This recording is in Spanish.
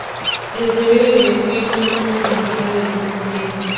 El desarrollo del videojuego no estuvo planificado desde un comienzo.